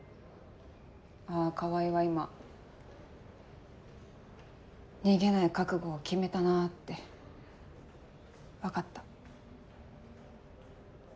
あぁ川合は今逃げない覚悟を決めたなって分かった。